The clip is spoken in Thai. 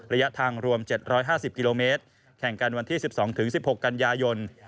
ระยะทางรวม๗๕๐กิโลเมตรแข่งกันวันที่๑๒๑๖กันยายน